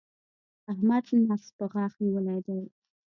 احمد نفس په غاښ نيولی دی.